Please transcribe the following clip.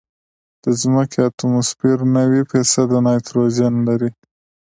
د ځمکې اتموسفیر نوي فیصده نایټروجن لري.